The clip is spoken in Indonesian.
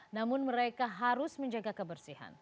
namun mereka harus menjaga kebersihan